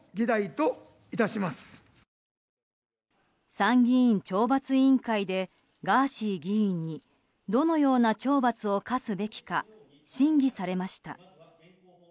参議院懲罰委員会でガーシー議員にどのような懲罰を科すべきか審議されました。